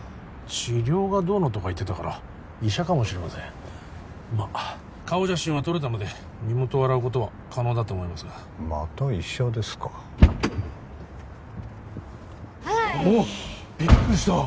治療がどうのとか言ってたから医者かもしれませんまっ顔写真は撮れたので身元を洗うことは可能だと思いますがまた医者ですかハーイああっビックリした！